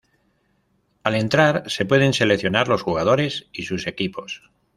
Al entrar se pueden seleccionar los jugadores y sus equipos.